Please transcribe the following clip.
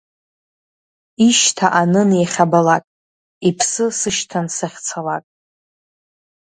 Ишьҭа анын иахьабалак, иԥсы сышьҭан сахьцалак.